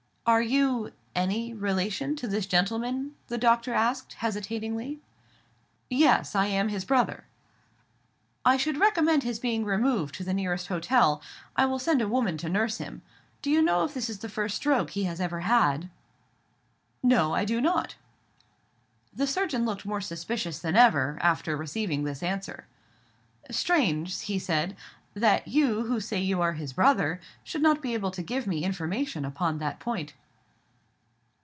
"Are you—any—relation to this gentleman?" the doctor asked, hesitatingly. "Yes, I am his brother." "I should recommend his being removed to the nearest hotel. I will send a woman to nurse him. Do you know if this is the first stroke he has ever had?" "No, I do not." The surgeon looked more suspicious than ever, after receiving this answer. "Strange," he said, "that you, who say you are his brother, should not be able to give me information upon that point."